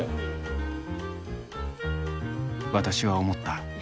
私は思った。